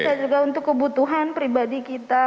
bisa juga untuk kebutuhan pribadi kita